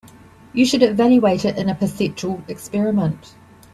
You should evaluate it in a perceptual experiment.